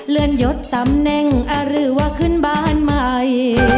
เลื่อนยดตำแหน่งหรือว่าขึ้นบ้านใหม่